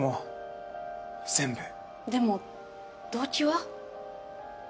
でも動機は？